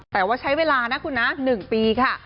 แต่ว่าใช้เวลานะคุณนะ๑ปีค่ะ